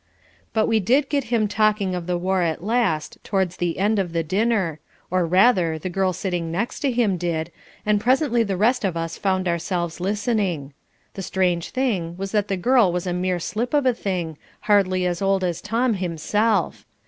But we did get him talking of the war at last, towards the end of the dinner; or rather, the girl sitting next to him did, and presently the rest of us found ourselves listening. The strange thing was that the girl was a mere slip of a thing, hardly as old as Tom himself.